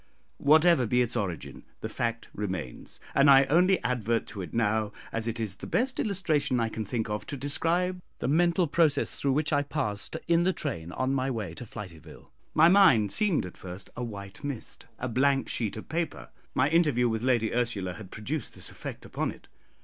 Whatever be its origin, the fact remains, and I only advert to it now, as it is the best illustration I can think of to describe the mental process through which I passed in the train on my way to Flityville. My mind seemed at first a white mist a blank sheet of paper. My interview with Lady Ursula had produced this effect upon it.